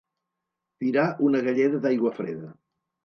Tirar una galleda d'aigua freda.